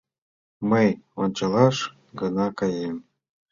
— Мый ончалаш гына каем...